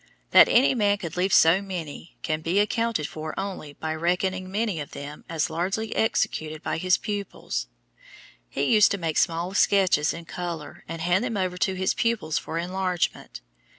That any man could leave so many can be accounted for only by reckoning many of them as largely executed by his pupils. He used to make small sketches in color and hand them over to his pupils for enlargement.